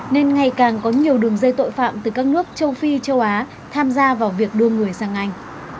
nên ngày càng có nhiều đường dây tội phạm từ các nước châu phi châu á tham gia vào việc đưa người sang anh